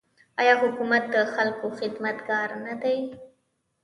آیا حکومت د خلکو خدمتګار نه دی؟